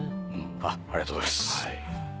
ありがとうございます。